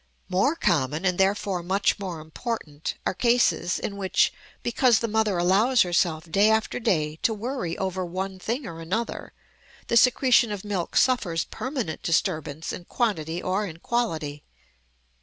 More common, and therefore much more important, are cases in which, because the mother allows herself day after day to worry over one thing or another, the secretion of milk suffers permanent disturbance in quantity or in quality.